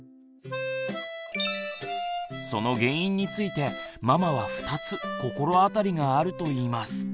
その原因についてママは２つ心当たりがあるといいます。